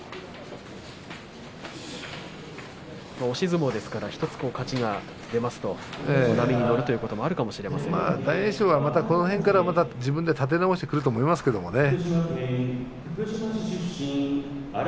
押し相撲ですから１つ勝ちが出ますと波に乗るということも大栄翔はこの辺から自分で立て直してくると思いますけれどもね。